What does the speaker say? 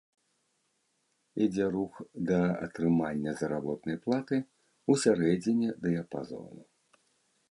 Ідзе рух да атрымання заработнай платы ў сярэдзіне дыяпазону.